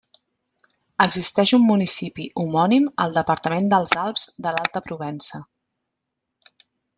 Existeix un municipi homònim al departament dels Alps de l'Alta Provença.